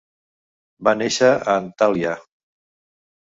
Va néixer a Antalya.